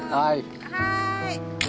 はい。